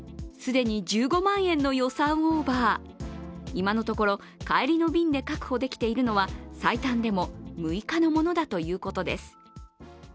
今のところ帰りの便で確保できているのは最短でも６日のものだということです。